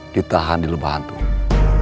ditahan di lembahantung